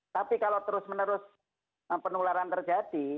tapi kalau terus menerus penularan terjadi